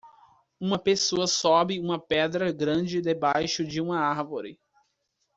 Uma pessoa sobe uma pedra grande debaixo de uma árvore.